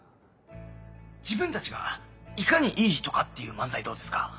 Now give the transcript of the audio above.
自分たちがいかにいい人かっていう漫才どうですか？